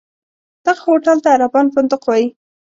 دغه هوټل ته عربان فندق وایي.